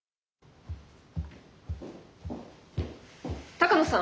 鷹野さん？